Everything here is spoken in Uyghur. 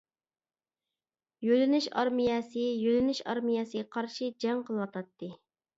يۆلىنىش ئارمىيەسى يۆلىنىش ئارمىيەسىگە قارشى جەڭ قىلىۋاتاتتى.